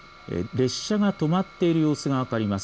列車が止まっている様子が分かります。